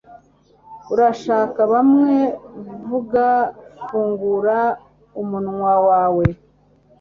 Urashaka bamwe vuga Fungura umunwa wawe